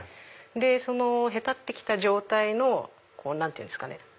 そのへたって来た状態の何て言うんですかね。